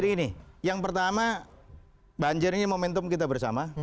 jadi ini yang pertama banjir ini momentum kita bersama